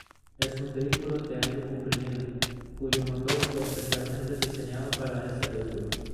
Es un vehículo de aire comprimido cuyo motor fue especialmente diseñado para este vehículo.